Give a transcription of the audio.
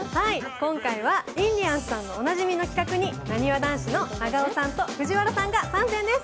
今回はインディアンスさんのおなじみの企画になにわ男子の長尾さんと藤原さんが参戦です。